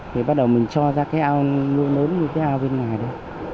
thì bắt đầu mình cho ra cái ao nuôi lớn như cái ao bên ngoài đó